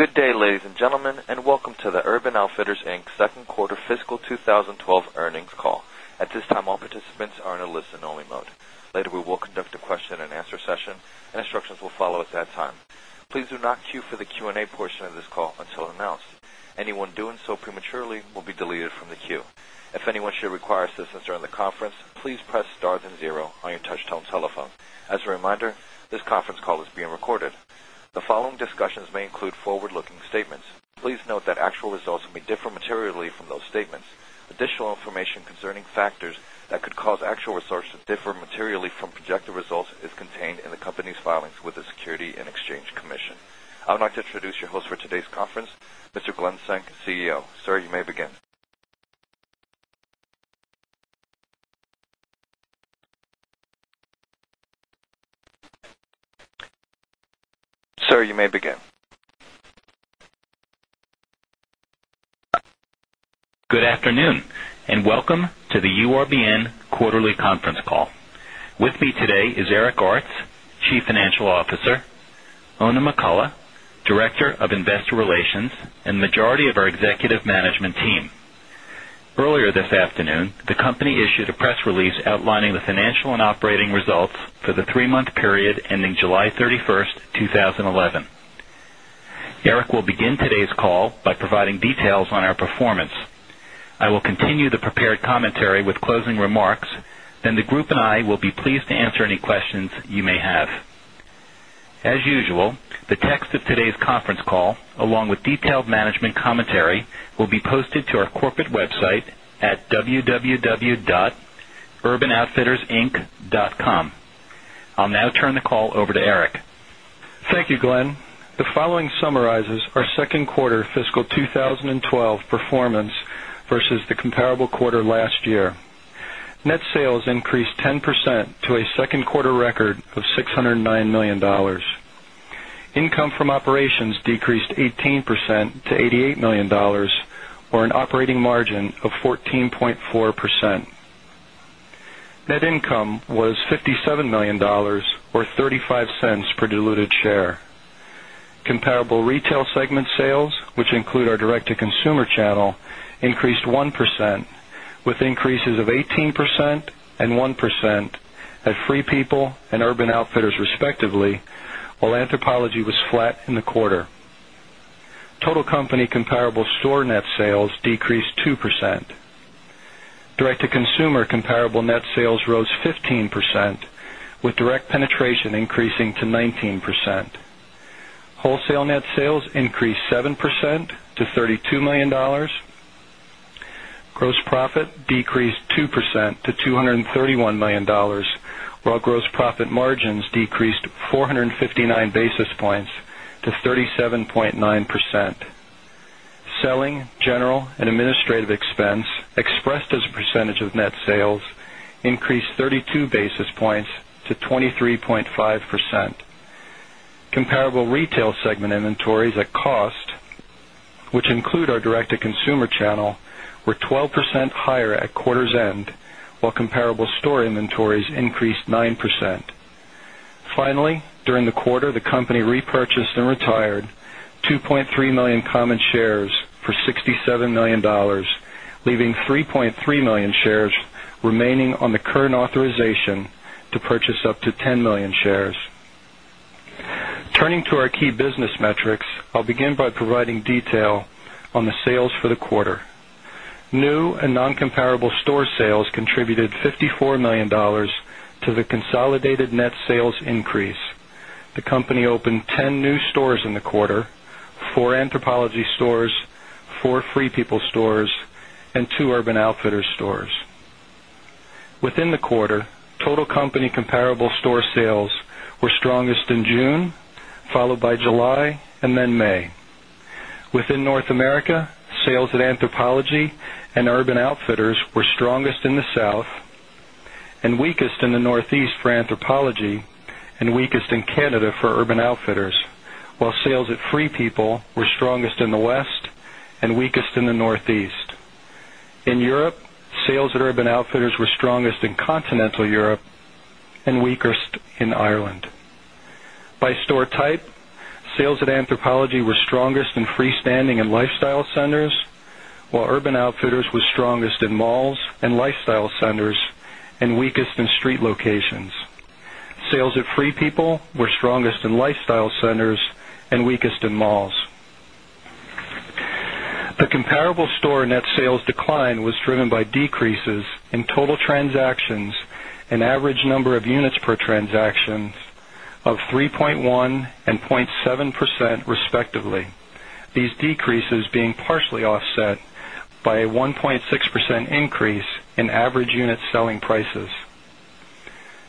Good day, ladies and gentlemen, and welcome to the Urban Outfitters, Inc. Second Quarter fiscal 2012 earnings call. At this time, all participants are in a listen-only mode. Later, we will conduct a question and answer session, and instructions will follow at that time. Please do not queue for the Q&A portion of this call until announced. Anyone doing so prematurely will be deleted from the queue. If anyone should require assistance during the conference, please press star then zero on your touch-tone telephone. As a reminder, this conference call is being recorded. The following discussions may include forward-looking statements. Please note that actual results may differ materially from those statements. Additional information concerning factors that could cause actual results to differ materially from projected results is contained in the company's filings with the Securities and Exchange Commission. I'll now introduce your host for today's conference, Mr. Glen Senk, CEO. Sir, you may begin. Good afternoon, and welcome to the Urban Outfitters, Inc. quarterly conference call. With me today is Eric Artz, Chief Financial Officer, Oona McCullough, Director of Investor Relations, and the majority of our executive management team. Earlier this afternoon, the company issued a press release outlining the financial and operating results for the three-month period ending July 31, 2011. Eric will begin today's call by providing details on our performance. I will continue the prepared commentary with closing remarks, then the group and I will be pleased to answer any questions you may have. As usual, the text of today's conference call, along with detailed management commentary, will be posted to our corporate website at www.urbanoutfittersinc.com. I'll now turn the call over to Eric. Thank you, Glen. The following summarizes our second quarter fiscal 2012 performance versus the comparable quarter last year. Net sales increased 10% to a second quarter record of $609 million. Income from operations decreased 18% to $88 million, or an operating margin of 14.4%. Net income was $57 million, or $0.35 per diluted share. Comparable retail segment sales, which include our direct-to-consumer channel, increased 1%, with increases of 18% and 1% at Free People and Urban Outfitters, respectively, while Anthropologie was flat in the quarter. Total company comparable store net sales decreased 2%. Direct-to-consumer comparable net sales rose 15%, with direct penetration increasing to 19%. Wholesale net sales increased 7% to $32 million. Gross profit decreased 2% to $231 million, while gross profit margins decreased 459 basis points to 37.9%. Selling, general and administrative expense, expressed as a percentage of net sales, increased 32 basis points to 23.5%. Comparable retail segment inventories at cost, which include our direct-to-consumer channel, were 12% higher at quarter's end, while comparable store inventories increased 9%. Finally, during the quarter, the company repurchased and retired 2.3 million common shares for $67 million, leaving 3.3 million shares remaining on the current authorization to purchase up to 10 million shares. Turning to our key business metrics, I'll begin by providing detail on the sales for the quarter. New and non-comparable store sales contributed $54 million to the consolidated net sales increase. The company opened 10 new stores in the quarter: four Anthropologie stores, four Free People stores, and two Urban Outfitters stores. Within the quarter, total company comparable store sales were strongest in June, followed by July, and then May. Within North America, sales at Anthropologie and Urban Outfitters were strongest in the South and weakest in the Northeast for Anthropologie and weakest in Canada for Urban Outfitters, while sales at Free People were strongest in the West and weakest in the Northeast. In Europe, sales at Urban Outfitters were strongest in continental Europe and weakest in Ireland. By store type, sales at Anthropologie were strongest in freestanding and lifestyle centers, while Urban Outfitters was strongest in malls and lifestyle centers and weakest in street locations. Sales at Free People were strongest in lifestyle centers and weakest in malls. The comparable store net sales decline was driven by decreases in total transactions and average number of units per transaction of 3.1% and 0.7%, respectively, these decreases being partially offset by a 1.6% increase in average unit selling prices.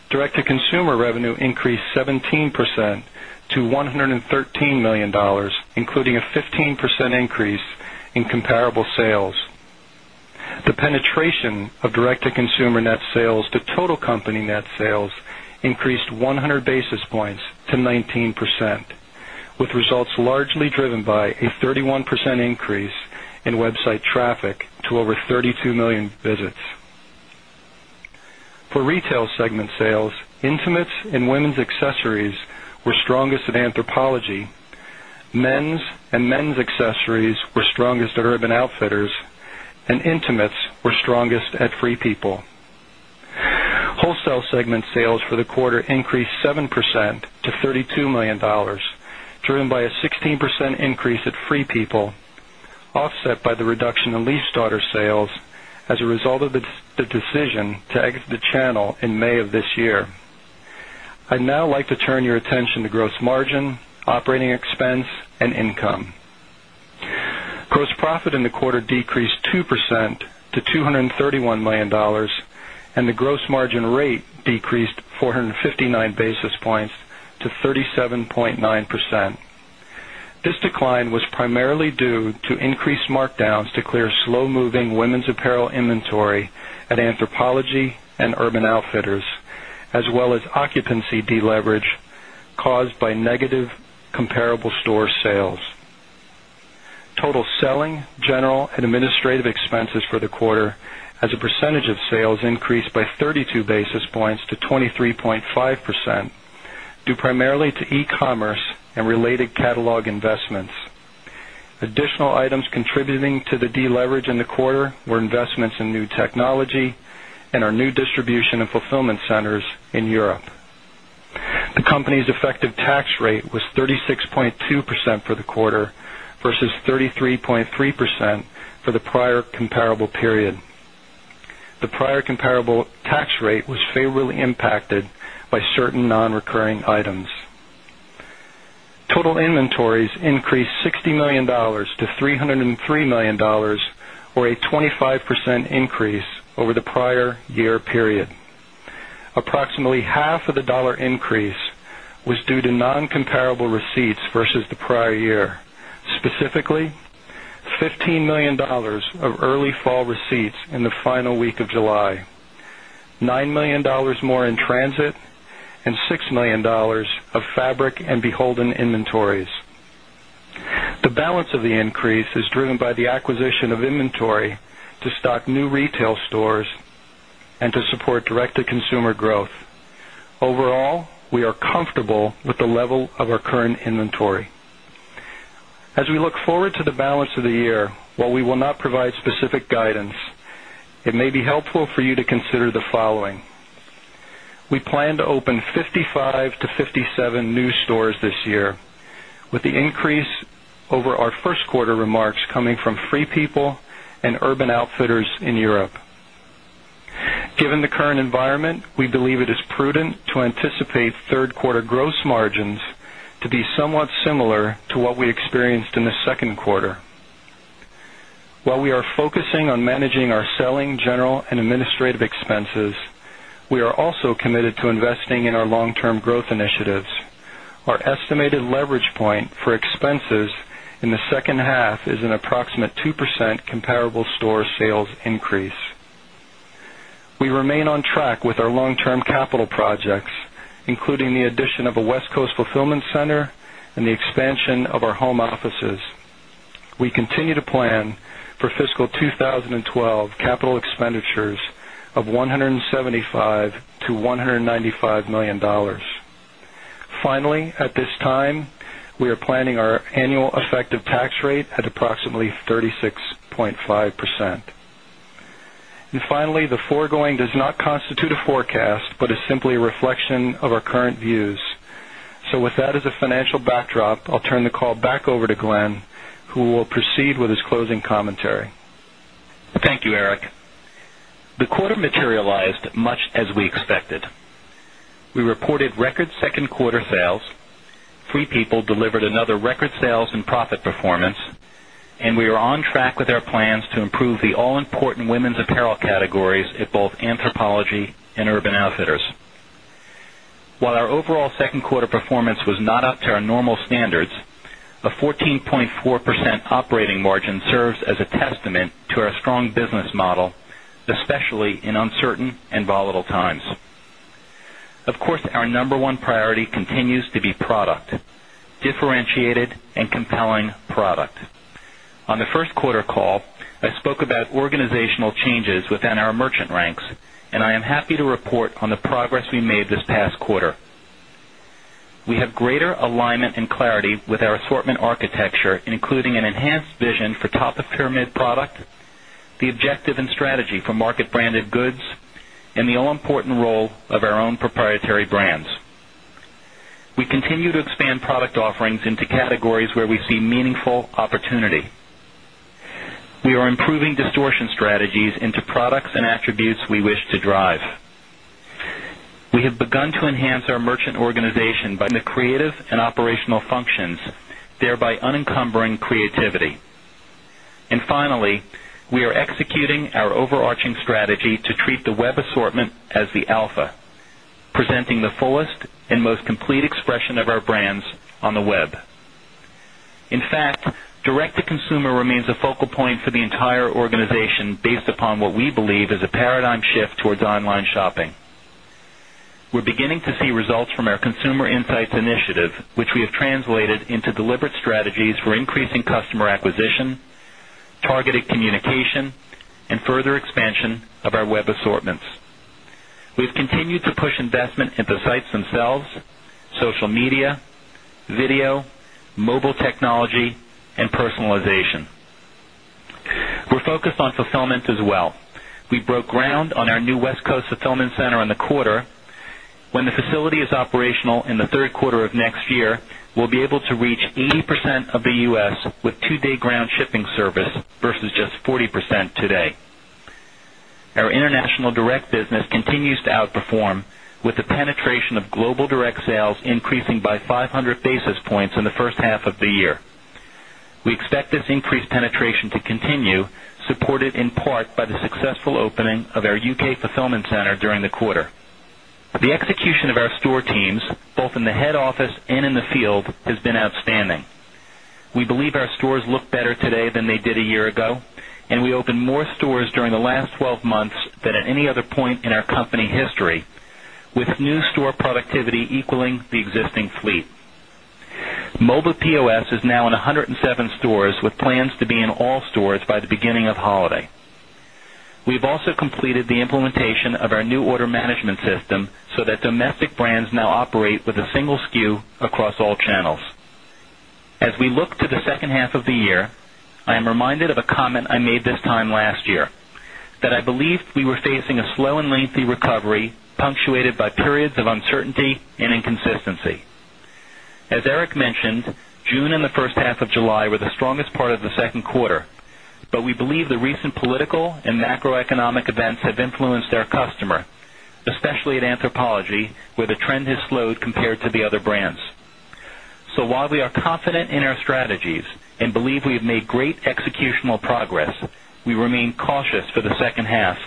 Direct-to-consumer revenue increased 17% to $113 million, including a 15% increase in comparable sales. The penetration of direct-to-consumer net sales to total company net sales increased 100 basis points to 19%, with results largely driven by a 31% increase in website traffic to over 32 million visits. For retail segment sales, intimates and women's accessories were strongest at Anthropologie, men's and men's accessories were strongest at Urban Outfitters, and intimates were strongest at Free People. Wholesale segment sales for the quarter increased 7% to $32 million, driven by a 16% increase at Free People, offset by the reduction in leaf starter sales as a result of the decision to exit the channel in May of this year. I'd now like to turn your attention to gross margin, operating expense, and income. Gross profit in the quarter decreased 2% to $231 million, and the gross margin rate decreased 459 basis points to 37.9%. This decline was primarily due to increased markdowns to clear slow-moving women's apparel inventory at Anthropologie and Urban Outfitters, as well as occupancy deleverage caused by negative comparable store sales. Total selling, general, and administrative expenses for the quarter, as a percentage of sales, increased by 32 basis points to 23.5%, due primarily to e-commerce and related catalog investments. Additional items contributing to the deleverage in the quarter were investments in new technology and our new distribution and fulfillment centers in Europe. The company's effective tax rate was 36.2% for the quarter versus 33.3% for the prior comparable period. The prior comparable tax rate was favorably impacted by certain non-recurring items. Total inventories increased $60 million to $303 million, or a 25% increase over the prior year period. Approximately half of the dollar increase was due to non-comparable receipts versus the prior year, specifically $15 million of early fall receipts in the final week of July, $9 million more in transit, and $6 million of fabric and beholden inventories. The balance of the increase is driven by the acquisition of inventory to stock new retail stores and to support direct-to-consumer growth. Overall, we are comfortable with the level of our current inventory. As we look forward to the balance of the year, while we will not provide specific guidance, it may be helpful for you to consider the following. We plan to open 55-57 new stores this year, with the increase over our first quarter remarks coming from Free People and Urban Outfitters in Europe. Given the current environment, we believe it is prudent to anticipate third quarter gross margins to be somewhat similar to what we experienced in the second quarter. While we are focusing on managing our selling, general, and administrative expenses, we are also committed to investing in our long-term growth initiatives. Our estimated leverage point for expenses in the second half is an approximate 2% comparable store sales increase. We remain on track with our long-term capital projects, including the addition of a West Coast fulfillment center and the expansion of our home offices. We continue to plan for fiscal 2012 capital expenditures of $175 million-$195 million. Finally, at this time, we are planning our annual effective tax rate at approximately 36.5%. The foregoing does not constitute a forecast but is simply a reflection of our current views. With that as a financial backdrop, I'll turn the call back over to Glen, who will proceed with his closing commentary. Thank you, Eric. The quarter materialized much as we expected. We reported record second quarter sales, Free People delivered another record sales and profit performance, and we are on track with our plans to improve the all-important women's apparel categories at both Anthropologie and Urban Outfitters. While our overall second quarter performance was not up to our normal standards, a 14.4% operating margin serves as a testament to our strong business model, especially in uncertain and volatile times. Of course, our number one priority continues to be product, differentiated and compelling product. On the first quarter call, I spoke about organizational changes within our merchant ranks, and I am happy to report on the progress we made this past quarter. We have greater alignment and clarity with our assortment architecture, including an enhanced vision for top-of-pyramid product, the objective and strategy for market-branded goods, and the all-important role of our own proprietary brands. We continue to expand product offerings into categories where we see meaningful opportunity. We are improving distortion strategies into products and attributes we wish to drive. We have begun to enhance our merchant organization by the creative and operational functions, thereby unencumbering creativity. Finally, we are executing our overarching strategy to treat the web assortment as the alpha, presenting the fullest and most complete expression of our brands on the web. In fact, direct-to-consumer remains a focal point for the entire organization based upon what we believe is a paradigm shift towards online shopping. We're beginning to see results from our consumer insights initiative, which we have translated into deliberate strategies for increasing customer acquisition, targeted communication, and further expansion of our web assortments. We've continued to push investment into sites themselves, social media, video, mobile technology, and personalization. We're focused on fulfillment as well. We broke ground on our new West Coast fulfillment center in the quarter. When the facility is operational in the third quarter of next year, we'll be able to reach 80% of the U.S. with two-day ground shipping service versus just 40% today. Our international direct business continues to outperform, with the penetration of global direct sales increasing by 500 basis points in the first half of the year. We expect this increased penetration to continue, supported in part by the successful opening of our UK fulfillment center during the quarter. The execution of our store teams, both in the head office and in the field, has been outstanding. We believe our stores look better today than they did a year ago, and we opened more stores during the last 12 months than at any other point in our company history, with new store productivity equaling the existing fleet. Mobile POS is now in 107 stores, with plans to be in all stores by the beginning of the holiday. We've also completed the implementation of our new order management system so that domestic brands now operate with a single SKU across all channels. As we look to the second half of the year, I am reminded of a comment I made this time last year, that I believed we were facing a slow and lengthy recovery punctuated by periods of uncertainty and inconsistency. As Eric mentioned, June and the first half of July were the strongest part of the second quarter. We believe the recent political and macroeconomic events have influenced our customer, especially at Anthropologie, where the trend has slowed compared to the other brands. While we are confident in our strategies and believe we have made great executional progress, we remain cautious for the second half,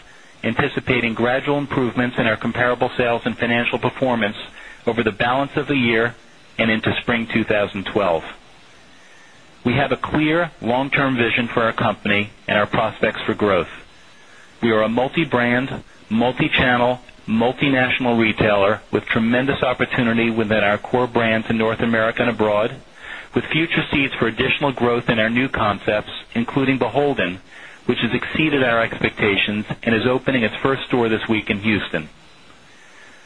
anticipating gradual improvements in our comparable sales and financial performance over the balance of the year and into spring 2012. We have a clear long-term vision for our company and our prospects for growth. We are a multi-brand, multi-channel, multinational retailer with tremendous opportunity within our core brand to North America and abroad, with future seeds for additional growth in our new concepts, including beholden, which has exceeded our expectations and is opening its first store this week in Houston.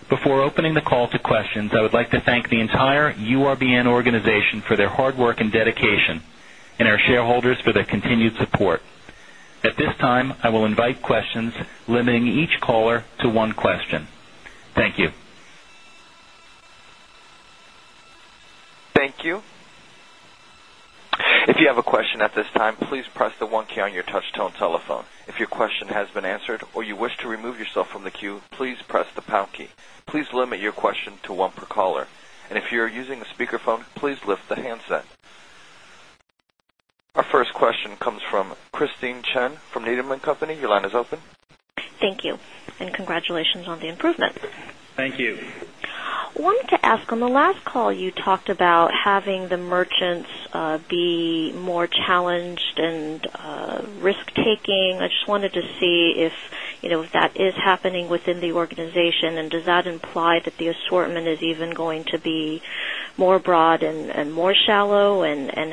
Before opening the call to questions, I would like to thank the entire URBN organization for their hard work and dedication and our shareholders for their continued support. At this time, I will invite questions, limiting each caller to one question. Thank you. Thank you. If you have a question at this time, please press the one key on your touch-tone telephone. If your question has been answered or you wish to remove yourself from the queue, please press the pound key. Please limit your question to one per caller. If you are using a speakerphone, please lift the handset. Our first question comes from Christine Chen from Needham and Company. Your line is open. Thank you, and congratulations on the improvement. Thank you. I wanted to ask, on the last call, you talked about having the merchants be more challenged and risk-taking. I just wanted to see if that is happening within the organization, and does that imply that the assortment is even going to be more broad and more shallow?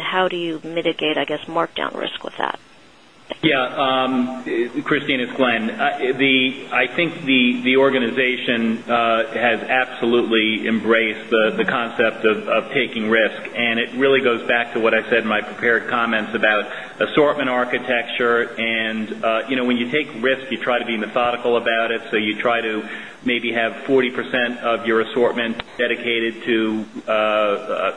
How do you mitigate, I guess, markdown risk with that? Yeah. Christine, it's Glen. I think the organization has absolutely embraced the concept of taking risk, and it really goes back to what I said in my prepared comments about assortment architecture. You know, when you take risk, you try to be methodical about it. You try to maybe have 40% of your assortment dedicated to,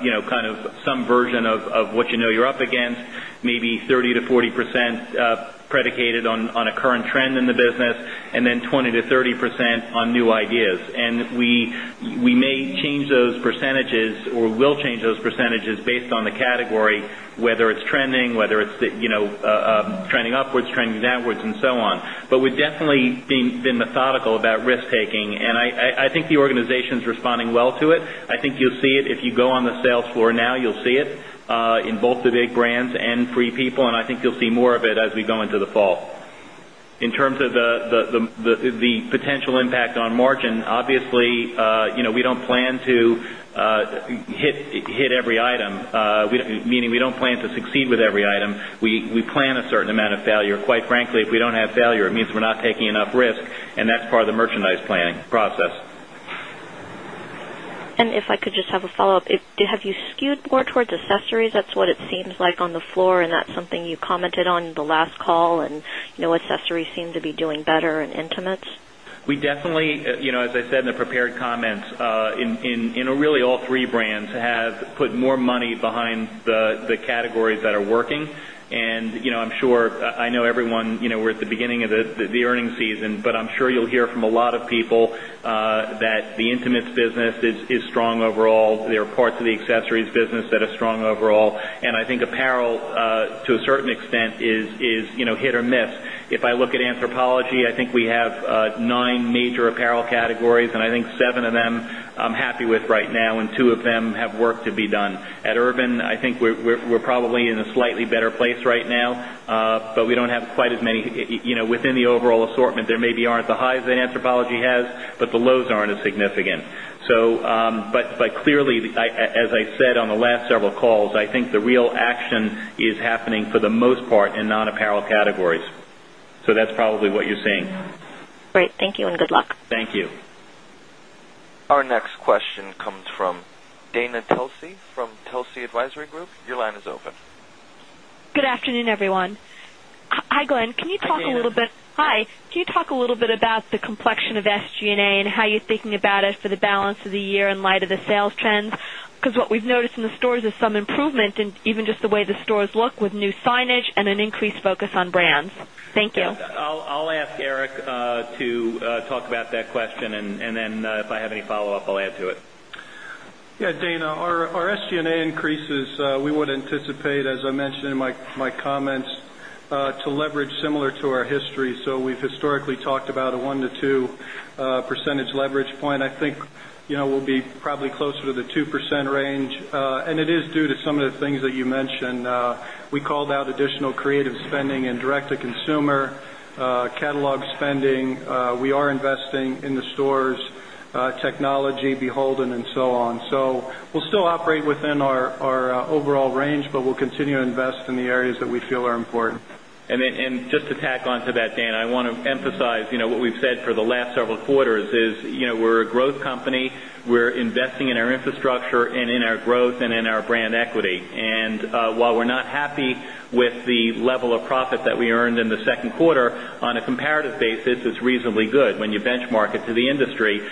you know, kind of some version of what you know you're up against, maybe 30%-40% predicated on a current trend in the business, and then 20%-30% on new ideas. We may change those percentages or will change those percentages based on the category, whether it's trending, whether it's trending upwards, trending downwards, and so on. We've definitely been methodical about risk-taking, and I think the organization's responding well to it. I think you'll see it if you go on the sales floor now. You'll see it in both the big brands and Free People, and I think you'll see more of it as we go into the fall. In terms of the potential impact on margin, obviously, you know, we don't plan to hit every item, meaning we don't plan to succeed with every item. We plan a certain amount of failure. Quite frankly, if we don't have failure, it means we're not taking enough risk, and that's part of the merchandise planning process. If I could just have a follow-up, have you skewed more towards accessories? It seems like that's what is on the floor, and that's something you commented on in the last call. You know, accessories seem to be doing better in intimates. We definitely, as I said in the prepared comments, in really all three brands have put more money behind the categories that are working. I'm sure I know everyone, we're at the beginning of the earnings season, but I'm sure you'll hear from a lot of people that the intimates business is strong overall. There are parts of the accessories business that are strong overall. I think apparel, to a certain extent, is hit or miss. If I look at Anthropologie, I think we have nine major apparel categories, and I think seven of them I'm happy with right now, and two of them have work to be done. At Urban, I think we're probably in a slightly better place right now, but we don't have quite as many within the overall assortment. There maybe aren't the highs that Anthropologie has, but the lows aren't as significant. Clearly, as I said on the last several calls, I think the real action is happening for the most part in non-apparel categories. That's probably what you're seeing. Great. Thank you and good luck. Thank you. Our next question comes from Dana Telsey from Telsey Advisory Group. Your line is open. Good afternoon, everyone. Hi, Glen. Can you talk a little bit? Hi. Hi. Can you talk a little bit about the complexion of SG&A and how you're thinking about it for the balance of the year in light of the sales trends? What we've noticed in the stores is some improvement in even just the way the stores look with new signage and an increased focus on brands. Thank you. I'll ask Eric to talk about that question, and then, if I have any follow-up, I'll add to it. Yeah, Dana. Our SG&A increases, we would anticipate, as I mentioned in my comments, to leverage similar to our history. We've historically talked about a one to two % leverage point. I think, you know, we'll be probably closer to the 2% range, and it is due to some of the things that you mentioned. We called out additional creative spending and direct-to-consumer, catalog spending. We are investing in the stores, technology, beholden, and so on. We'll still operate within our overall range, but we'll continue to invest in the areas that we feel are important. To tack onto that, Dana, I want to emphasize, you know, what we've said for the last several quarters is, you know, we're a growth company. We're investing in our infrastructure and in our growth and in our brand equity. While we're not happy with the level of profit that we earned in the second quarter, on a comparative basis, it's reasonably good when you benchmark it to the industry.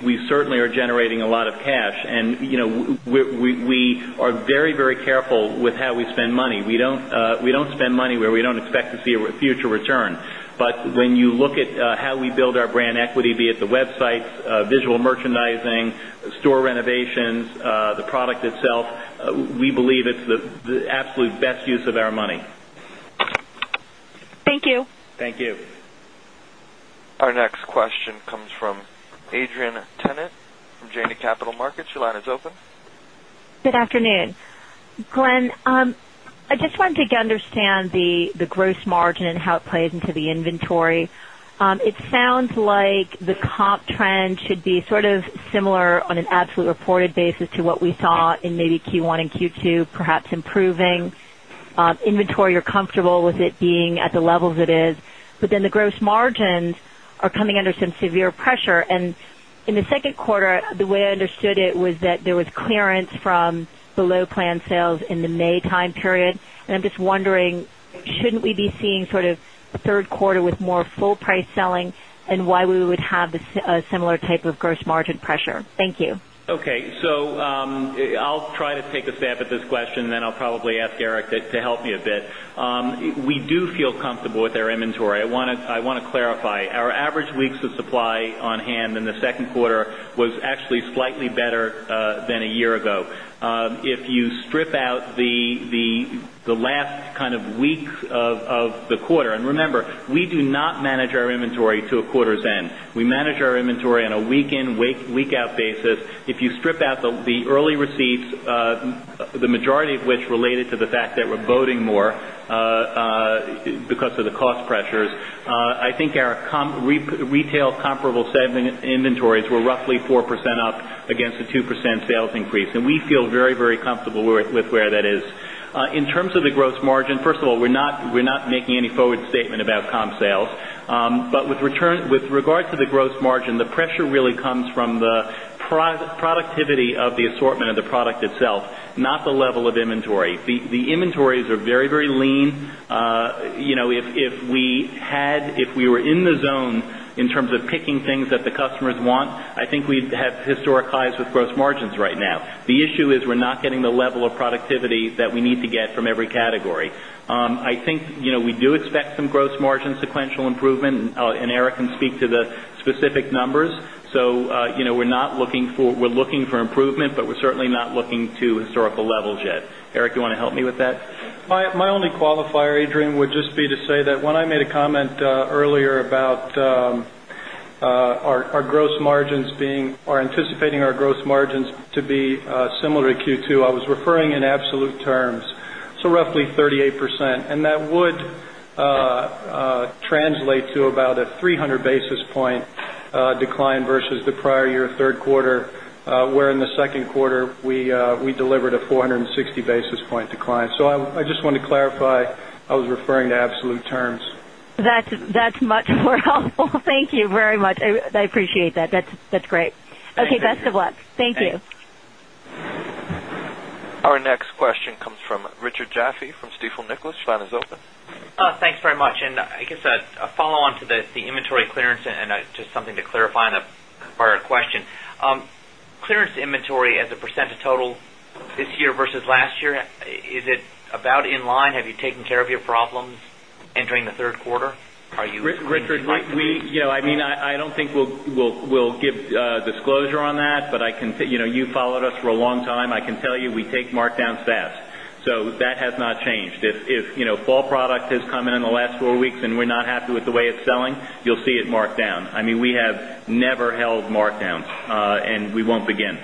We certainly are generating a lot of cash, and, you know, we are very, very careful with how we spend money. We don't spend money where we don't expect to see a future return. When you look at how we build our brand equity, be it the websites, visual merchandising, store renovations, the product itself, we believe it's the absolute best use of our money. Thank you. Thank you. Our next question comes from Adrienne Tennant from Janney Capital Markets. Your line is open. Good afternoon. Glen, I just wanted to understand the gross margin and how it plays into the inventory. It sounds like the comp trend should be sort of similar on an absolute reported basis to what we saw in maybe Q1 and Q2, perhaps improving. Inventory, you're comfortable with it being at the levels it is, but then the gross margins are coming under some severe pressure. In the second quarter, the way I understood it was that there was clearance from below planned sales in the May time period. I'm just wondering, shouldn't we be seeing sort of third quarter with more full-price selling and why we would have a similar type of gross margin pressure? Thank you. Okay. I'll try to take a stab at this question, and then I'll probably ask Eric to help me a bit. We do feel comfortable with our inventory. I want to clarify, our average weeks of supply on hand in the second quarter was actually slightly better than a year ago. If you strip out the last kind of weeks of the quarter, and remember, we do not manage our inventory to a quarter's end. We manage our inventory on a week-in, week-out basis. If you strip out the early receipts, the majority of which related to the fact that we're boating more because of the cost pressure, I think our retail comparable segment inventories were roughly 4% up against a 2% sales increase. We feel very, very comfortable with where that is. In terms of the gross margin, first of all, we're not making any forward statement about comp sales. With regard to the gross margin, the pressure really comes from the productivity of the assortment of the product itself, not the level of inventory. The inventories are very, very lean. If we were in the zone in terms of picking things that the customers want, I think we'd have historic highs with gross margins right now. The issue is we're not getting the level of productivity that we need to get from every category. I think we do expect some gross margin sequential improvement, and Eric can speak to the specific numbers. We're looking for improvement, but we're certainly not looking to historical levels yet. Eric, do you want to help me with that? My only qualifier, Adrian, would just be to say that when I made a comment earlier about our gross margins being or anticipating our gross margins to be similar to Q2, I was referring in absolute terms. So roughly 38%. That would translate to about a 300 basis point decline versus the prior year third quarter, where in the second quarter, we delivered a 460 basis point decline. I just wanted to clarify I was referring to absolute terms. That's much more helpful. Thank you very much. I appreciate that. That's great. Okay. Best of luck. Thank you. Our next question comes from Richard Jaffe from Stifel Nicolaus. Your line is open. Thanks very much. I guess a follow-on to the inventory clearance and just something to clarify on the prior question. Clearance inventory as a percentage total this year versus last year, is it about in line? Have you taken care of your problems entering the third quarter? Are you? Richard, yeah. I mean, I don't think we'll give disclosure on that, but I can tell you, you know, you followed us for a long time. I can tell you we take markdowns fast. That has not changed. If, you know, fall product has come in in the last four weeks and we're not happy with the way it's selling, you'll see it marked down. I mean, we have never held markdowns, and we won't begin.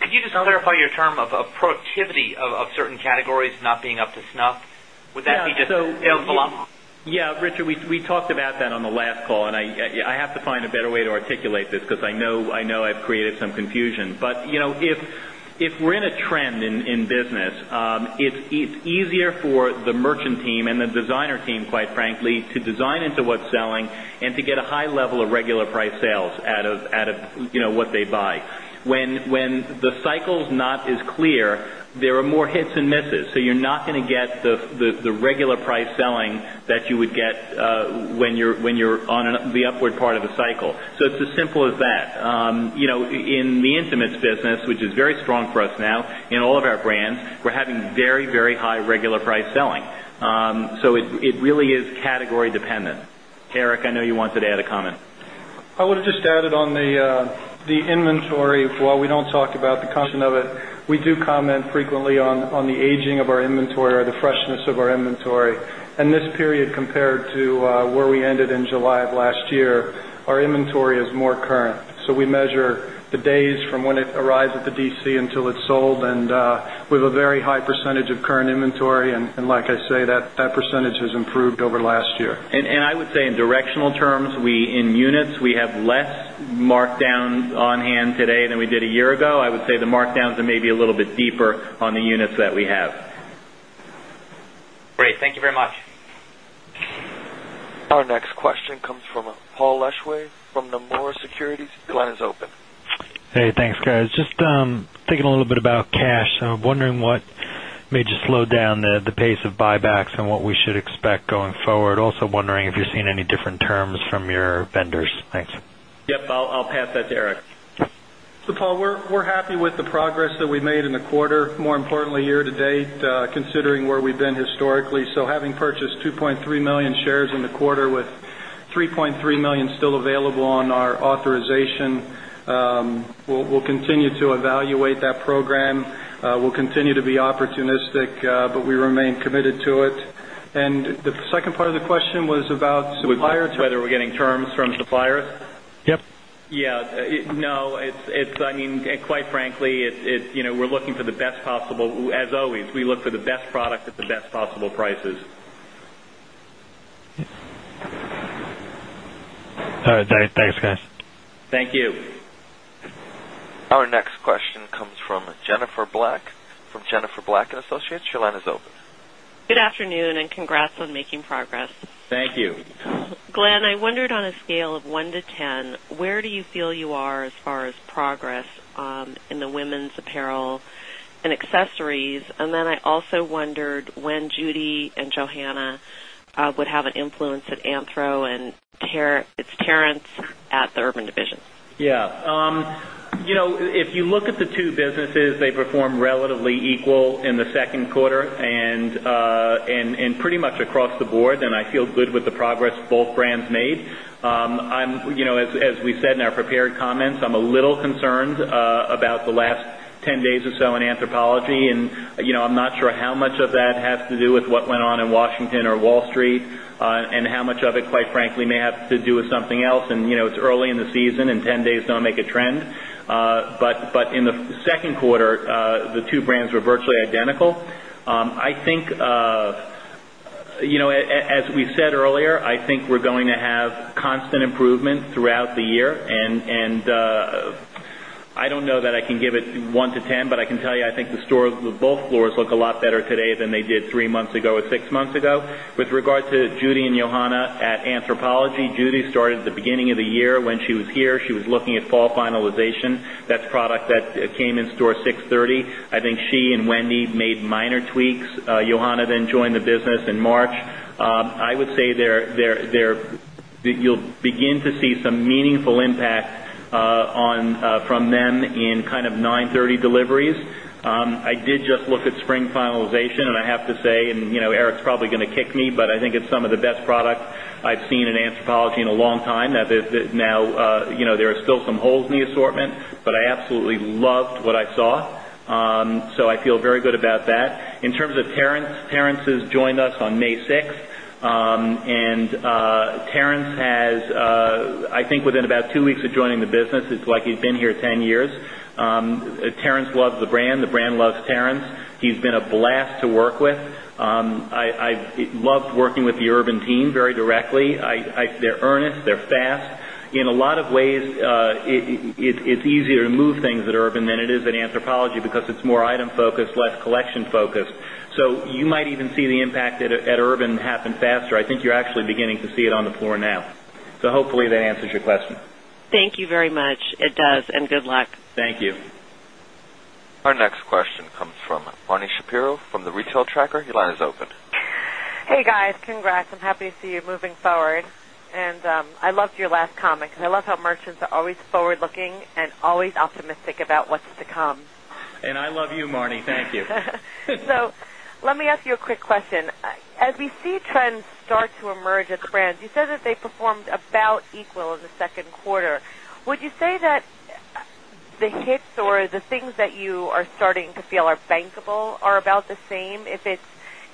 Could you just clarify your term of productivity of certain categories not being up to snuff? Would that be just? Yeah. So. Full off? Yeah. Richard, we talked about that on the last call, and I have to find a better way to articulate this because I know I've created some confusion. If we're in a trend in business, it's easier for the merchant team and the designer team, quite frankly, to design into what's selling and to get a high level of regular-price sales out of what they buy. When the cycle's not as clear, there are more hits and misses. You're not going to get the regular-price selling that you would get when you're on the upward part of a cycle. It's as simple as that. In the intimates business, which is very strong for us now in all of our brands, we're having very, very high regular-price selling. It really is category dependent. Eric, I know you wanted to add a comment. I want to just add on the inventory. While we don't talk about the content of it, we do comment frequently on the aging of our inventory or the freshness of our inventory. This period compared to where we ended in July of last year, our inventory is more current. We measure the days from when it arrives at the DC until it's sold, and we have a very high percentage of current inventory. Like I say, that percentage has improved over last year. I would say in directional terms, we in units, we have less markdown on hand today than we did a year ago. I would say the markdowns are maybe a little bit deeper on the units that we have. Great, thank you very much. Our next question comes from Paul Lejuez from Nomura Securities. Glen is open. Hey, thanks, guys. Just thinking a little bit about cash. I'm wondering what made you slow down the pace of buybacks and what we should expect going forward. Also wondering if you're seeing any different terms from your vendors. Thanks. I'll pass that to Eric. Paul, we're happy with the progress that we made in the quarter, more importantly, year to date, considering where we've been historically. Having purchased 2.3 million shares in the quarter with 3.3 million still available on our authorization, we'll continue to evaluate that program. We'll continue to be opportunistic, but we remain committed to it. The second part of the question was about suppliers. We're getting terms from suppliers? Yep. Yeah. No, it's, I mean, quite frankly, you know, we're looking for the best possible, as always, we look for the best product at the best possible prices. All right. Thanks, guys. Thank you. Our next question comes from Jennifer Black from Jennifer Black and Associates. Your line is open. Good afternoon, and congrats on making progress. Thank you. Glen, I wondered on a scale of 1 to 10, where do you feel you are as far as progress in the women's apparel and accessories? I also wondered when Judy and Johanna would have an influence at Anthropologie and its Terrance at the Urban Outfitters Division. Yeah, you know, if you look at the two businesses, they perform relatively equal in the second quarter and pretty much across the board, and I feel good with the progress both brands made. I'm, you know, as we said in our prepared comments, I'm a little concerned about the last 10 days or so in Anthropologie. I'm not sure how much of that has to do with what went on in Washington or Wall Street, and how much of it, quite frankly, may have to do with something else. It's early in the season, and 10 days don't make a trend, but in the second quarter, the two brands were virtually identical. I think, you know, as we said earlier, I think we're going to have constant improvement throughout the year. I don't know that I can give it 1 to 10, but I can tell you I think the stores of both floors look a lot better today than they did three months ago or six months ago. With regard to Judy and Johanna at Anthropologie, Judy started at the beginning of the year when she was here. She was looking at fall finalization. That's product that came in store 6/30. I think she and Wendy made minor tweaks. Johanna then joined the business in March. I would say you'll begin to see some meaningful impact from them in kind of 9/30 deliveries. I did just look at spring finalization, and I have to say, and, you know, Eric's probably going to kick me, but I think it's some of the best product I've seen in Anthropologie in a long time. Now, you know, there are still some holes in the assortment, but I absolutely loved what I saw, so I feel very good about that. In terms of Terrance, Terrance has joined us on May 6th, and Terrance has, I think within about two weeks of joining the business, it's like he's been here 10 years. Terrance loves the brand. The brand loves Terrance. He's been a blast to work with. I loved working with the Urban team very directly. They're earnest. They're fast. In a lot of ways, it's easier to move things at Urban than it is at Anthropologie because it's more item-focused, less collection-focused. You might even see the impact at Urban happen faster. I think you're actually beginning to see it on the floor now. Hopefully, that answers your question. Thank you very much. It does, and good luck. Thank you. Our next question comes from Marni Shapiro from The Retail Tracker. Your line is open. Hey, guys. Congrats. I'm happy to see you moving forward. I loved your last comment because I love how merchants are always forward-looking and always optimistic about what's to come. I love you, Marni. Thank you. Let me ask you a quick question. As we see trends start to emerge at the brands, you said that they performed about equal in the second quarter. Would you say that the hits or the things that you are starting to feel are bankable are about the same? If it's,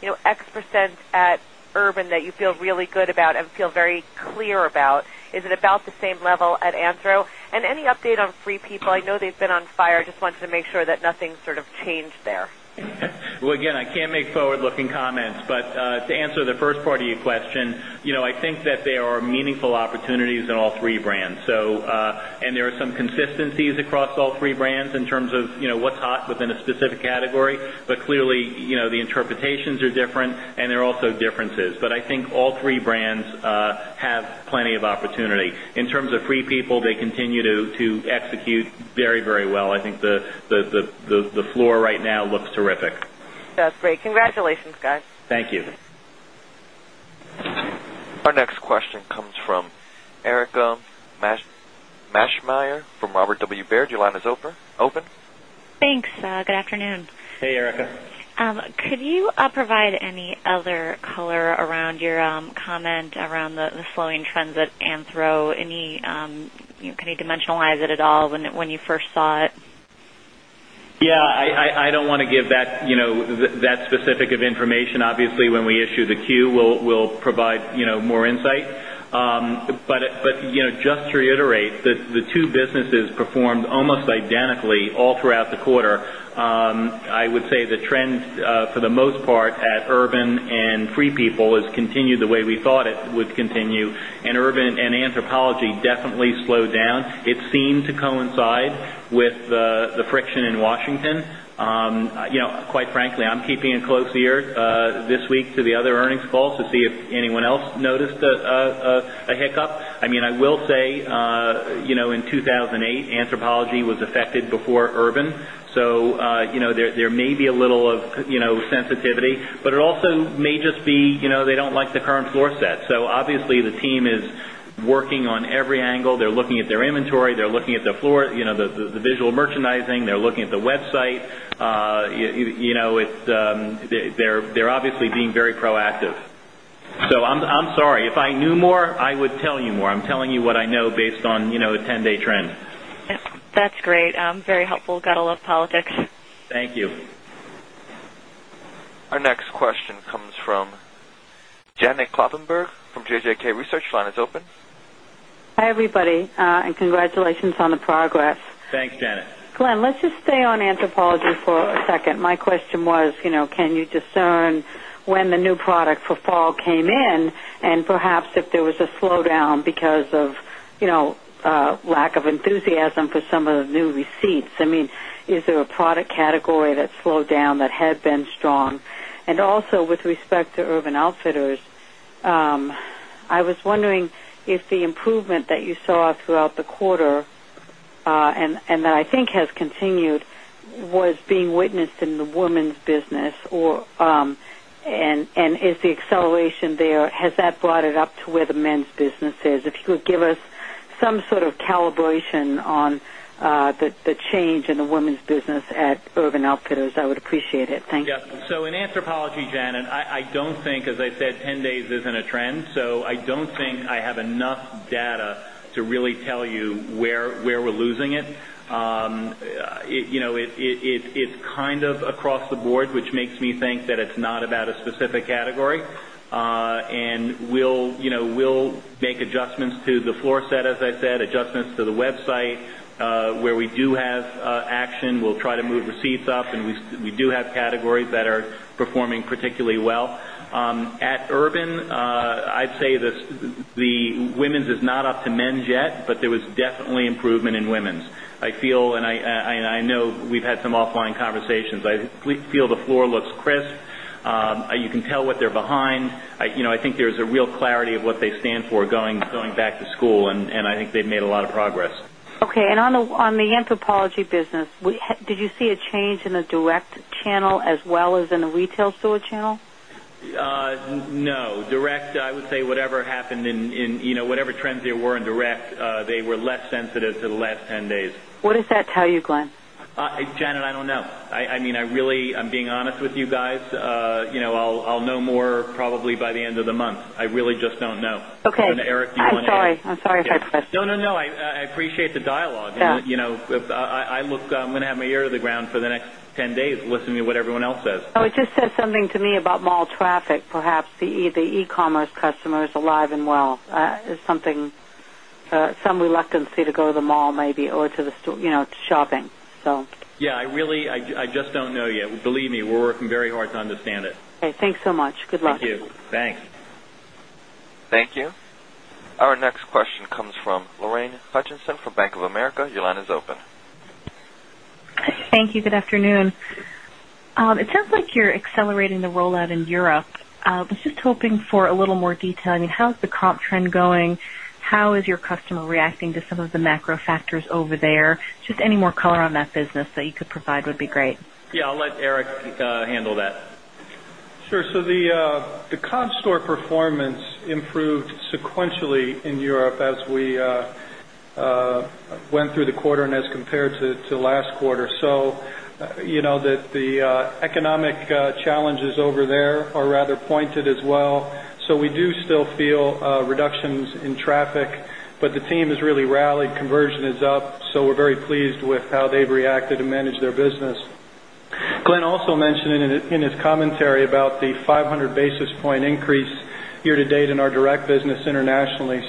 you know, X% at Urban that you feel really good about and feel very clear about, is it about the same level at Anthropologie? Any update on Free People? I know they've been on fire. I just wanted to make sure that nothing sort of changed there. I can't make forward-looking comments. To answer the first part of your question, I think that there are meaningful opportunities in all three brands. There are some consistencies across all three brands in terms of what's hot within a specific category. Clearly, the interpretations are different, and there are also differences. I think all three brands have plenty of opportunity. In terms of Free People, they continue to execute very, very well. I think the floor right now looks terrific. That's great. Congratulations, guys. Thank you. Our next question comes from Erica Maschmeyer from Robert W. Baird. Your line is open. Thanks. Good afternoon. Hey, Erica. Could you provide any other color around your comment around the slowing trends at Anthropologie? Can you dimensionalize it at all, when you first saw it? Yeah. I don't want to give that, you know, that specific of information. Obviously, when we issue the Q, we'll provide, you know, more insight, but, you know, just to reiterate, the two businesses performed almost identically all throughout the quarter. I would say the trends, for the most part at Urban Outfitters and Free People, have continued the way we thought it would continue. Urban Outfitters and Anthropologie definitely slowed down. It seemed to coincide with the friction in Washington. Quite frankly, I'm keeping a close ear this week to the other earnings calls to see if anyone else noticed a hiccup. I will say, in 2008, Anthropologie was affected before Urban Outfitters. There may be a little of, you know, sensitivity, but it also may just be, you know, they don't like the current floor set. Obviously, the team is working on every angle. They're looking at their inventory. They're looking at the floor, the visual merchandising. They're looking at the website. They're obviously being very proactive. I'm sorry. If I knew more, I would tell you more. I'm telling you what I know based on, you know, a 10-day trend. Yep. That's great. Very helpful. Got to love politics. Thank you. Our next question comes from Janet Kloppenburg from JJK Research. The line is open. Hi, everybody, and congratulations on the progress. Thanks, Jana. Glen, let's just stay on Anthropologie for a second. My question was, you know, can you discern when the new product for fall came in and perhaps if there was a slowdown because of, you know, lack of enthusiasm for some of the new receipts? I mean, is there a product category that slowed down that had been strong? Also, with respect to Urban Outfitters, I was wondering if the improvement that you saw throughout the quarter, and that I think has continued, was being witnessed in the women's business, or is the acceleration there, has that brought it up to where the men's business is? If you could give us some sort of calibration on the change in the women's business at Urban Outfitters, I would appreciate it. Thank you. Yeah. In Anthropologie, Janet, I don't think, as I said, 10 days isn't a trend. I don't think I have enough data to really tell you where we're losing it. It's kind of across the board, which makes me think that it's not about a specific category. We'll make adjustments to the floor set, as I said, adjustments to the website, where we do have action. We'll try to move receipts up, and we do have categories that are performing particularly well. At Urban, I'd say the women's is not up to men's yet, but there was definitely improvement in women's. I feel, and I know we've had some offline conversations, I feel the floor looks crisp. You can tell what they're behind. I think there's a real clarity of what they stand for going back to school, and I think they've made a lot of progress. Okay. On the Anthropologie business, did you see a change in the direct channel as well as in the retail store channel? No. Direct, I would say whatever happened in, you know, whatever trends there were in direct, they were less sensitive to the last 10 days. What does that tell you, Glen? Jana, I don't know. I mean, I really I'm being honest with you guys. You know, I'll know more probably by the end of the month. I really just don't know. Okay. Eric, do you want to? I'm sorry if I pressed. No, no, no. I appreciate the dialogue. Yeah. I'm going to have my ear to the ground for the next 10 days listening to what everyone else says. Oh, it just says something to me about mall traffic. Perhaps the e-commerce customer is alive and well. Is something, some reluctancy to go to the mall maybe or to the store, you know, shopping. Yeah. I just don't know yet. Believe me, we're working very hard to understand it. Okay, thanks so much. Good luck. Thank you. Thanks. Thank you. Our next question comes from Lorraine Hutchinson from Bank of America. Your line is open. Thank you. Good afternoon. It sounds like you're accelerating the rollout in Europe. I was just hoping for a little more detail. I mean, how is the comp trend going? How is your customer reacting to some of the macro factors over there? Just any more color on that business that you could provide would be great. Yeah, I'll let Eric handle that. Sure. The comp store performance improved sequentially in Europe as we went through the quarter and as compared to last quarter. The economic challenges over there are rather pointed as well. We do still feel reductions in traffic, but the team has really rallied. Conversion is up. We are very pleased with how they've reacted and managed their business. Glen also mentioned in his commentary about the 500 basis point increase year to date in our direct-to-consumer business internationally.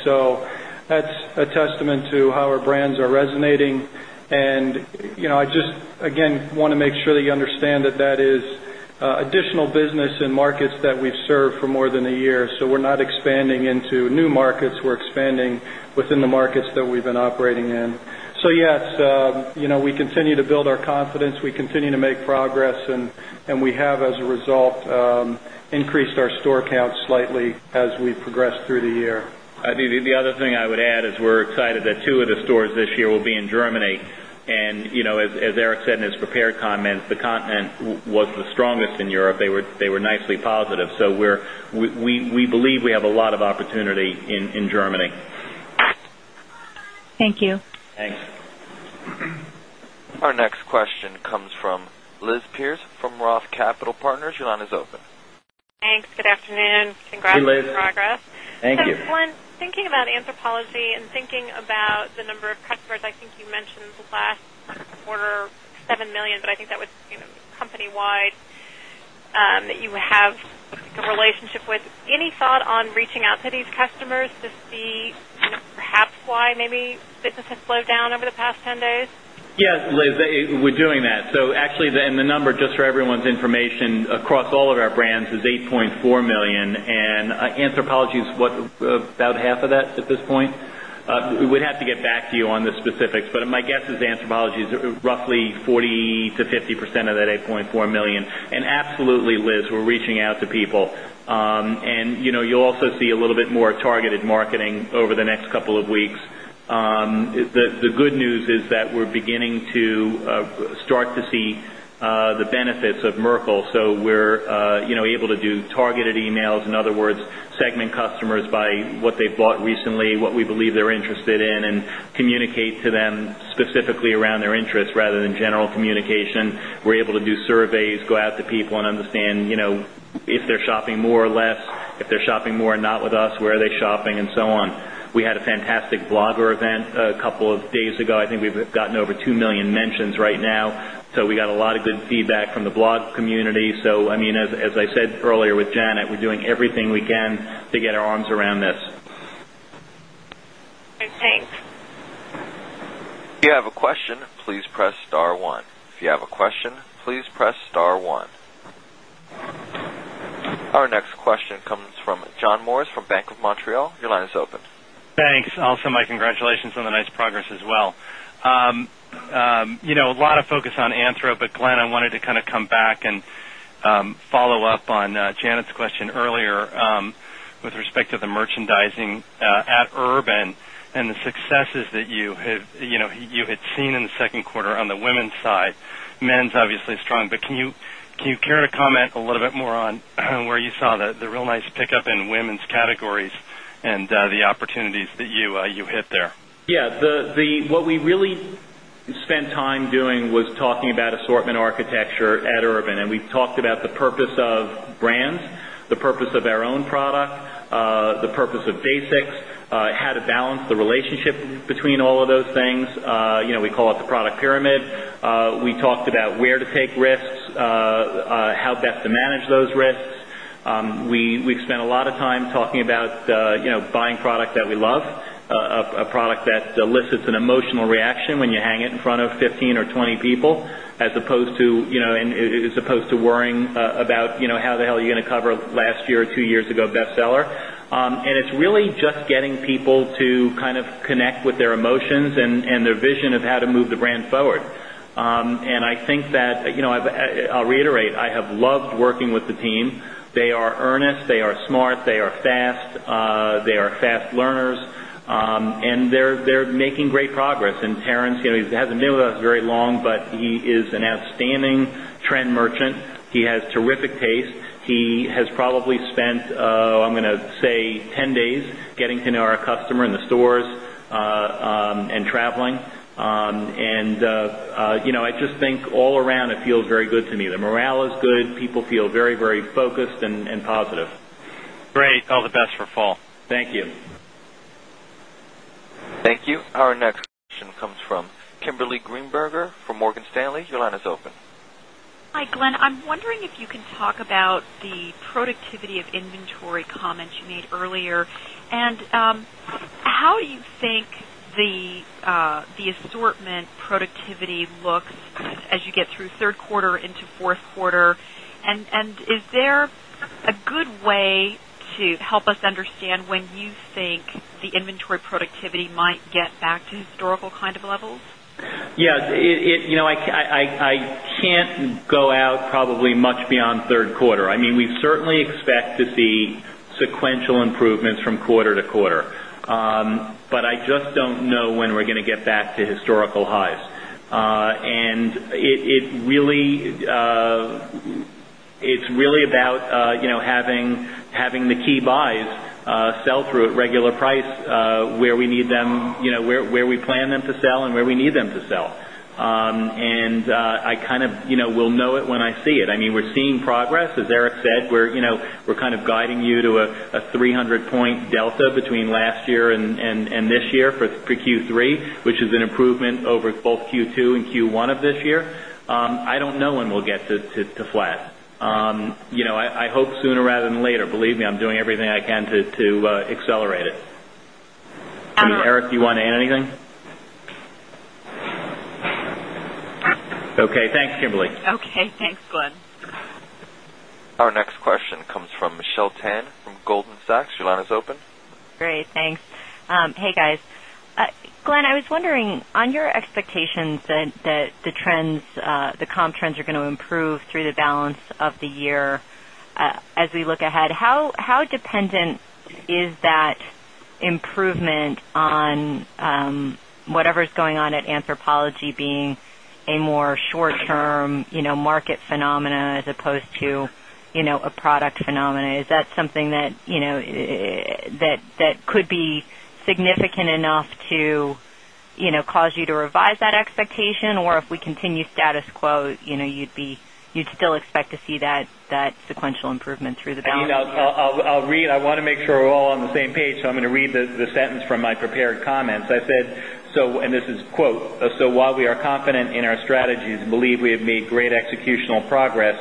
That is a testament to how our brands are resonating. I just, again, want to make sure that you understand that is additional business in markets that we've served for more than a year. We are not expanding into new markets. We are expanding within the markets that we've been operating in. Yes, we continue to build our confidence. We continue to make progress, and we have, as a result, increased our store count slightly as we progress through the year. I mean, the other thing I would add is we're excited that two of the stores this year will be in Germany. You know, as Eric said in his prepared comment, the continent was the strongest in Europe. They were nicely positive. We believe we have a lot of opportunity in Germany. Thank you. Thanks. Our next question comes from Liz Pierce from Roth Capital Partners. Your line is open. Thanks. Good afternoon. Congrats on the progress. Hey, Liz. Thank you. Glen, thinking about Anthropologie and thinking about the number of customers, I think you mentioned the last quarter 7 million, but I think that was, you know, company-wide, that you would have a relationship with. Any thought on reaching out to these customers to see, you know, perhaps why maybe business has slowed down over the past 10 days? Yeah, Liz, we're doing that. Actually, the number, just for everyone's information, across all of our brands is $8.4 million. Anthropologie is what, about half of that at this point? We'd have to get back to you on the specifics, but my guess is Anthropologie is roughly 40%-50% of that $8.4 million. Absolutely, Liz, we're reaching out to people. You'll also see a little bit more targeted marketing over the next couple of weeks. The good news is that we're beginning to start to see the benefits of Merkle. We're able to do targeted emails. In other words, segment customers by what they've bought recently, what we believe they're interested in, and communicate to them specifically around their interests rather than general communication. We're able to do surveys, go out to people, and understand if they're shopping more or less, if they're shopping more and not with us, where are they shopping, and so on. We had a fantastic blogger event a couple of days ago. I think we've gotten over 2 million mentions right now. We got a lot of good feedback from the blog community. As I said earlier with Janet, we're doing everything we can to get our arms around this. Thanks. If you have a question, please press star one. If you have a question, please press star one. Our next question comes from John Morris from Bank of Montreal. Your line is open. Thanks. Also, my congratulations on the nice progress as well. You know, a lot of focus on Anthro, but Glen, I wanted to kind of come back and follow up on Janet's question earlier, with respect to the merchandising at Urban and the successes that you have seen in the second quarter on the women's side. Men's, obviously, strong. Can you give a comment a little bit more on where you saw the real nice pickup in women's categories and the opportunities that you hit there? Yeah. What we really spent time doing was talking about assortment architecture at Urban. We've talked about the purpose of brands, the purpose of our own product, the purpose of basics, how to balance the relationship between all of those things. You know, we call it the product pyramid. We talked about where to take risks, how best to manage those risks. We've spent a lot of time talking about buying product that we love, a product that elicits an emotional reaction when you hang it in front of 15 or 20 people as opposed to worrying about how the hell are you going to cover last year or two years ago bestseller. It's really just getting people to kind of connect with their emotions and their vision of how to move the brand forward. I think that, you know, I'll reiterate, I have loved working with the team. They are earnest. They are smart. They are fast. They are fast learners, and they're making great progress. Terrance, you know, he hasn't been with us very long, but he is an outstanding trend merchant. He has terrific taste. He has probably spent, I'm going to say, 10 days getting to know our customer in the stores and traveling. I just think all around, it feels very good to me. The morale is good. People feel very, very focused and positive. Great. All the best for fall. Thank you. Thank you. Our next question comes from Kimberly Greenberger from Morgan Stanley. Your line is open. Hi, Glen. I'm wondering if you can talk about the productivity of inventory comments you made earlier. How do you think the assortment productivity looks as you get through third quarter into fourth quarter? Is there a good way to help us understand when you think the inventory productivity might get back to historical kind of levels? Yeah, I can't go out probably much beyond third quarter. We certainly expect to see sequential improvements from quarter to quarter, but I just don't know when we're going to get back to historical highs. It's really about having the key buys sell through at regular price, where we need them, where we plan them to sell and where we need them to sell. I kind of will know it when I see it. We're seeing progress. As Eric said, we're kind of guiding you to a 300-point delta between last year and this year for Q3, which is an improvement over both Q2 and Q1 of this year. I don't know when we'll get to flat. I hope sooner rather than later. Believe me, I'm doing everything I can to accelerate it. Okay. I mean, Eric, do you want to add anything? Okay, thanks, Kimberly. Okay. Thanks, Glen. Our next question comes from Michelle Tan from Goldman Sachs. Your line is open. Great. Thanks. Hey, guys. Glen, I was wondering, on your expectations that the comp trends are going to improve through the balance of the year, as we look ahead, how dependent is that improvement on whatever's going on at Anthropologie being a more short-term market phenomena as opposed to a product phenomena? Is that something that could be significant enough to cause you to revise that expectation? If we continue status quo, you'd still expect to see that sequential improvement through the balance? I want to make sure we're all on the same page. I'm going to read the sentence from my prepared comments. I said, "So while we are confident in our strategies and believe we have made great executional progress,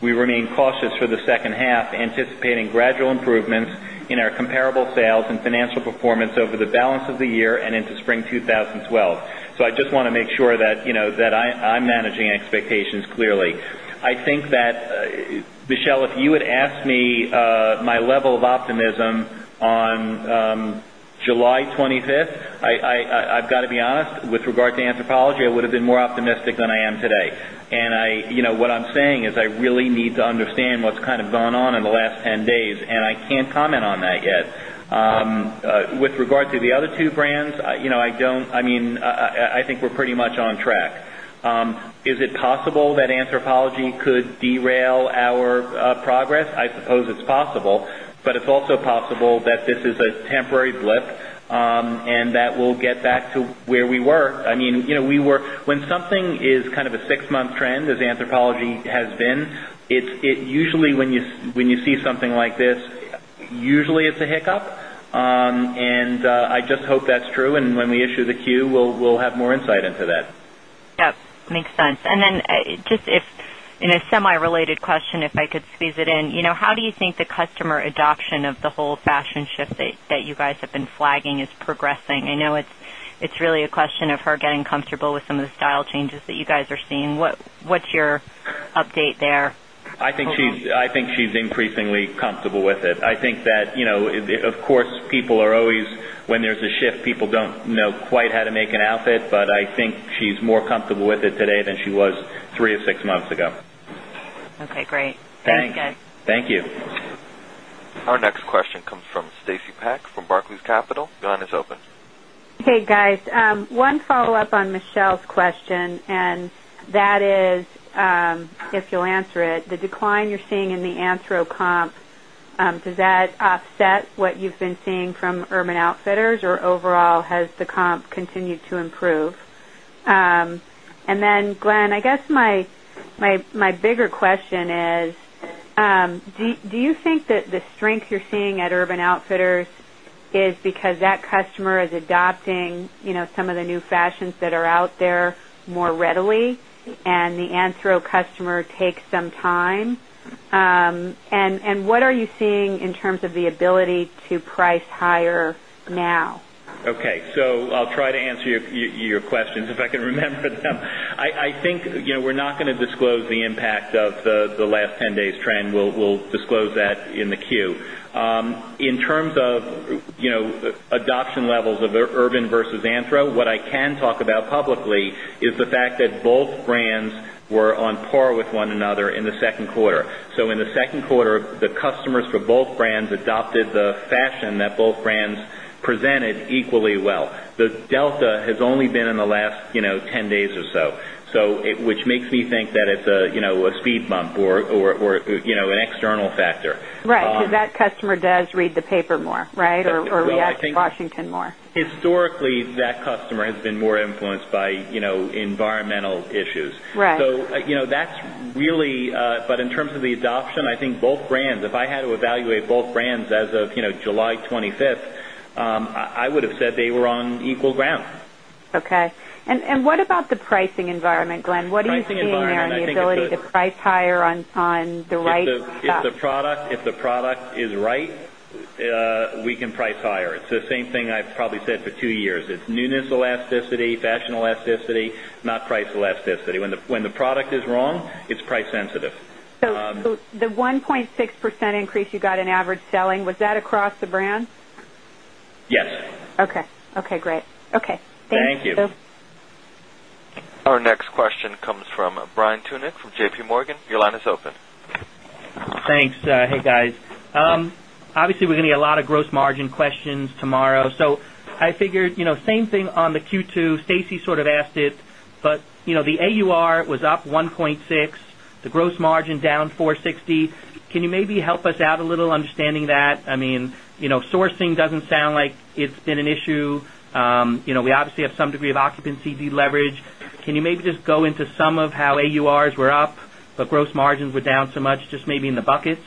we remain cautious for the second half, anticipating gradual improvements in our comparable sales and financial performance over the balance of the year and into spring 2012." I just want to make sure that you know that I'm managing expectations clearly. I think that, Michelle, if you had asked me my level of optimism on July 25th, I've got to be honest, with regard to Anthropologie, I would have been more optimistic than I am today. What I'm saying is I really need to understand what's kind of gone on in the last 10 days, and I can't comment on that yet. With regard to the other two brands, I think we're pretty much on track. Is it possible that Anthropologie could derail our progress? I suppose it's possible. It's also possible that this is a temporary blip, and that we'll get back to where we were. When something is kind of a six-month trend, as Anthropologie has been, usually when you see something like this, it's a hiccup. I just hope that's true. When we issue the queue, we'll have more insight into that. Yeah. Makes sense. If I could squeeze in a semi-related question, how do you think the customer adoption of the whole fashion shift that you guys have been flagging is progressing? I know it's really a question of her getting comfortable with some of the style changes that you guys are seeing. What's your update there? I think she's increasingly comfortable with it. I think that, of course, people are always, when there's a shift, people don't know quite how to make an outfit, but I think she's more comfortable with it today than she was three or six months ago. Okay. Great. Thanks. Very good. Thank you. Our next question comes from Stacy Pak from Barclays Capital. Your line is open. Hey, guys. One follow-up on Michelle's question, and that is, if you'll answer it, the decline you're seeing in the Anthro comp, does that offset what you've been seeing from Urban Outfitters, or overall, has the comp continued to improve? Glen, I guess my bigger question is, do you think that the strength you're seeing at Urban Outfitters is because that customer is adopting, you know, some of the new fashions that are out there more readily, and the Anthro customer takes some time? What are you seeing in terms of the ability to price higher now? Okay. I'll try to answer your questions if I can remember them. I think, you know, we're not going to disclose the impact of the last 10 days' trend. We'll disclose that in the queue. In terms of, you know, adoption levels of the Urban versus Anthro, what I can talk about publicly is the fact that both brands were on par with one another in the second quarter. In the second quarter, the customers for both brands adopted the fashion that both brands presented equally well. The delta has only been in the last, you know, 10 days or so, which makes me think that it's a, you know, a speed bump or, you know, an external factor. Right. Because that customer does read the paper more, or reacts to Washington more. Historically, that customer has been more influenced by, you know, environmental issues. Right. In terms of the adoption, I think both brands, if I had to evaluate both brands as of July 25th, I would have said they were on equal ground. Okay. What about the pricing environment, Glen? What do you see there in the ability to price higher on the right? If the product is right, we can price higher. It's the same thing I've probably said for two years. It's newness, elasticity, fashion elasticity, not price elasticity. When the product is wrong, it's price sensitive. The 1.6% increase you got in average selling, was that across the brand? Yes. Okay. Great. Okay. Thank you. Thank you. Our next question comes from Brian Tunick from J.P. Morgan. Your line is open. Thanks. Hey, guys. Obviously, we're going to get a lot of gross margin questions tomorrow. I figured, you know, same thing on the Q2. Stacy sort of asked it, but, you know, the AUR was up 1.6%. The gross margin down 460 basis points. Can you maybe help us out a little understanding that? I mean, you know, sourcing doesn't sound like it's been an issue. You know, we obviously have some degree of occupancy de-leverage. Can you maybe just go into some of how AURs were up, but gross margins were down so much, just maybe in the buckets?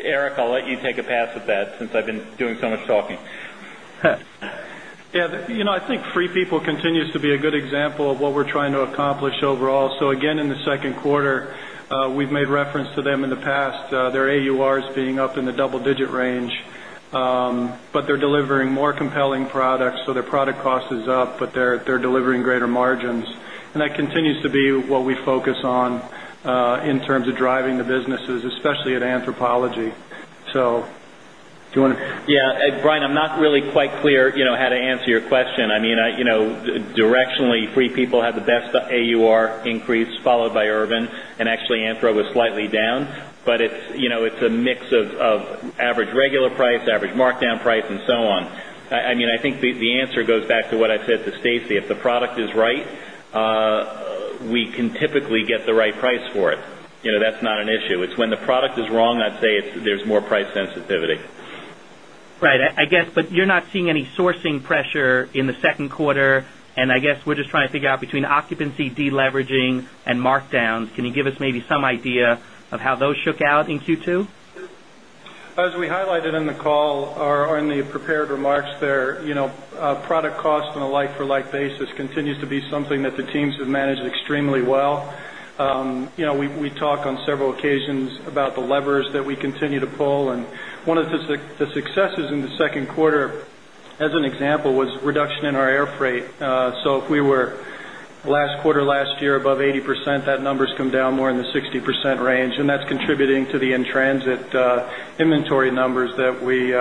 Eric, I'll let you take a pass at that since I've been doing so much talking. Yeah. I think Free People continues to be a good example of what we're trying to accomplish overall. In the second quarter, we've made reference to them in the past, their AURs being up in the double-digit range, but they're delivering more compelling products. Their product cost is up, but they're delivering greater margins. That continues to be what we focus on, in terms of driving the businesses, especially at Anthropologie. Do you want to? Yeah. Brian, I'm not really quite clear how to answer your question. I mean, directionally, Free People had the best AUR increase followed by Urban, and actually, Anthropologie was slightly down. It's a mix of average regular price, average markdown price, and so on. I think the answer goes back to what I said to Stacy. If the product is right, we can typically get the right price for it. That's not an issue. It's when the product is wrong, there's more price sensitivity. Right. I guess, but you're not seeing any sourcing pressure in the second quarter, and I guess we're just trying to figure out between occupancy de-leveraging and markdowns. Can you give us maybe some idea of how those shook out in Q2? As we highlighted in the call or in the prepared remarks, product cost on a like-for-like basis continues to be something that the teams have managed extremely well. We talk on several occasions about the levers that we continue to pull. One of the successes in the second quarter, as an example, was reduction in our air freight. If we were last quarter, last year, above 80%, that number's come down more in the 60% range. That's contributing to the in-transit inventory numbers that we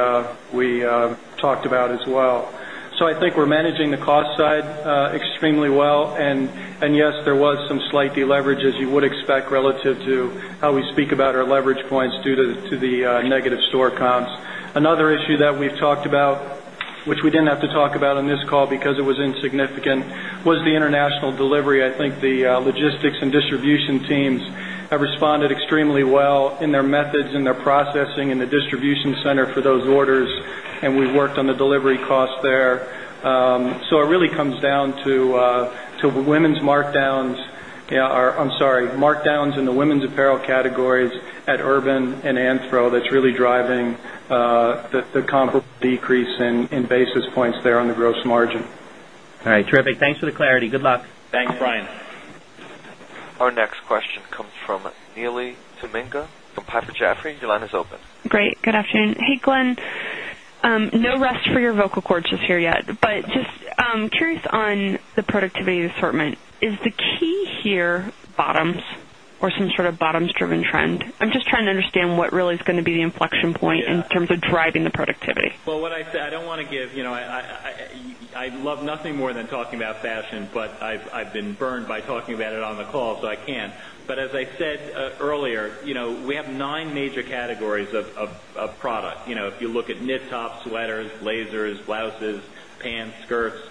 talked about as well. I think we're managing the cost side extremely well. Yes, there was some slight de-leverage, as you would expect, relative to how we speak about our leverage points due to the negative store comps. Another issue that we've talked about, which we didn't have to talk about on this call because it was insignificant, was the international delivery. I think the logistics and distribution teams have responded extremely well in their methods, in their processing, in the distribution center for those orders. We worked on the delivery costs there. It really comes down to women's markdowns, or I'm sorry, markdowns in the women's apparel categories at Urban Outfitters and Anthropologie that's really driving the comp decrease in basis points there on the gross margin. All right. Terrific. Thanks for the clarity. Good luck. Thanks, Brian. Our next question comes from Neely Tamminga from Piper Jaffray. Your line is open. Great. Good afternoon. Hey, Glen. No rest for your vocal cords just yet, but just curious on the productivity of the assortment. Is the key here bottoms or some sort of bottoms-driven trend? I'm just trying to understand what really is going to be the inflection point in terms of driving the productivity. I don't want to give, you know, I love nothing more than talking about fashion, but I've been burned by talking about it on the call, so I can't. As I said earlier, we have nine major categories of product. If you look at knit tops, sweaters, blazers, blouses, pants, skirts,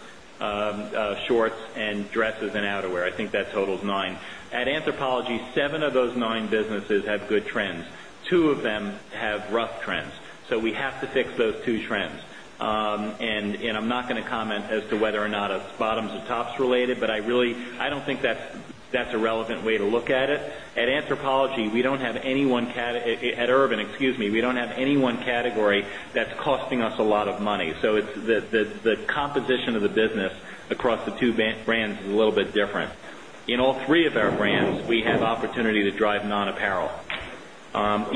shorts, dresses, and outerwear, I think that totals nine. At Anthropologie, seven of those nine businesses have good trends. Two of them have rough trends. We have to fix those two trends. I'm not going to comment as to whether or not it's bottoms or tops related, but I really don't think that's a relevant way to look at it. At Anthropologie, we don't have any one—at Urban, excuse me, we don't have any one category that's costing us a lot of money. The composition of the business across the two brands is a little bit different. In all three of our brands, we have opportunity to drive non-apparel. I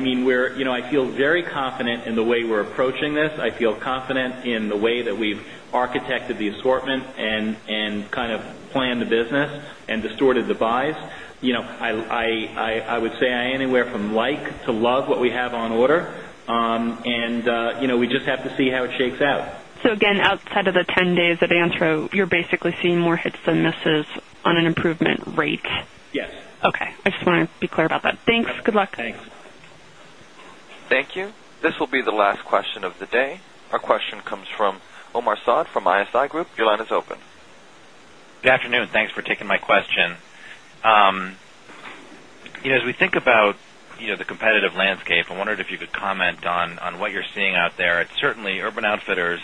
mean, we're, you know, I feel very confident in the way we're approaching this. I feel confident in the way that we've architected the assortment and kind of planned the business and distorted the buys. I would say I anywhere from like to love what we have on order, and we just have to see how it shakes out. Outside of the 10 days at Anthropologie, you're basically seeing more hits than misses on an improvement rate? Yes. Okay, I just want to be clear about that. Thanks. Good luck. Thanks. Thank you. This will be the last question of the day. Our question comes from Omar Saad from ISI Group. Your line is open. Good afternoon. Thanks for taking my question. As we think about the competitive landscape, I wondered if you could comment on what you're seeing out there. Urban Outfitters,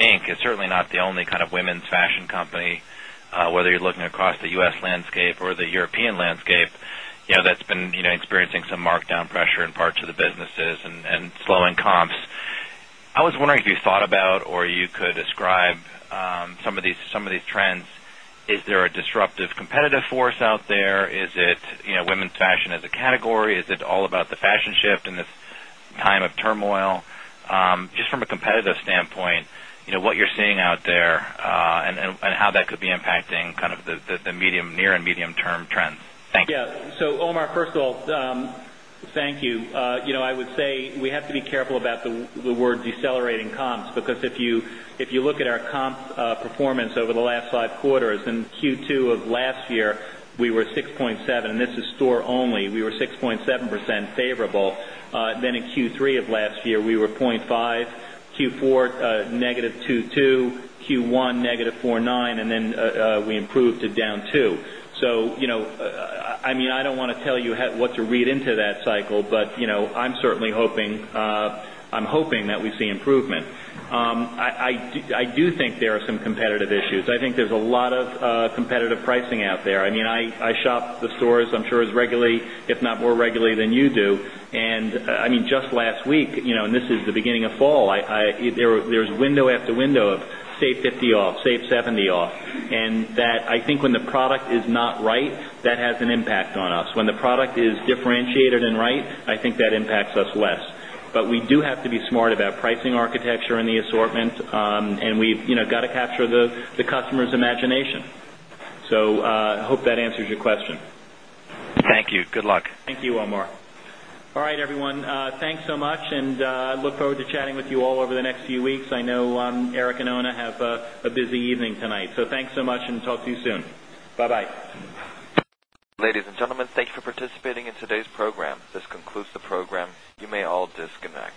Inc. is certainly not the only kind of women's fashion company, whether you're looking across the U.S. landscape or the European landscape, that's been experiencing some markdown pressure in parts of the businesses and slowing comps. I was wondering if you thought about or you could describe some of these trends. Is there a disruptive competitive force out there? Is it women's fashion as a category? Is it all about the fashion shift in this time of turmoil? Just from a competitive standpoint, what you're seeing out there, and how that could be impacting the near and medium-term trends. Thank you. Yeah. So Omar, first of all, thank you. I would say we have to be careful about the word decelerating comps because if you look at our comp performance over the last five quarters, in Q2 of last year, we were 6.7%, and this is store only. We were 6.7% favorable. Then in Q3 of last year, we were 0.5%. Q4, negative 2.2%. Q1, negative 4.9%. And then, we improved to down 2%. I don't want to tell you what to read into that cycle, but I'm certainly hoping that we see improvement. I do think there are some competitive issues. I think there's a lot of competitive pricing out there. I shop the stores, I'm sure, as regularly, if not more regularly than you do. Just last week, and this is the beginning of fall, there's window after window of save 50% off, save 70% off. I think when the product is not right, that has an impact on us. When the product is differentiated and right, I think that impacts us less. We do have to be smart about pricing architecture and the assortment, and we've got to capture the customer's imagination. I hope that answers your question. Thank you. Good luck. Thank you, Omar. All right, everyone. Thanks so much, and I look forward to chatting with you all over the next few weeks. I know Eric and Oona have a busy evening tonight. Thanks so much and talk to you soon. Bye-bye. Ladies and gentlemen, thank you for participating in today's program. This concludes the program. You may all disconnect.